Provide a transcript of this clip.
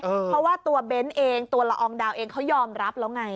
เพราะว่าตัวเบ้นเองตัวละอองดาวเองเขายอมรับแล้วไง